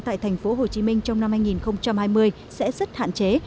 tại thành phố hồ chí minh trong năm hai nghìn hai mươi sẽ rất hạn chế